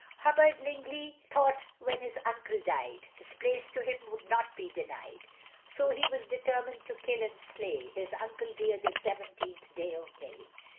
Hubbard Lingley thought when his uncle died His place to him would not be denied; So he was determined to kill and slay, His uncle dear the seventeenth day of May.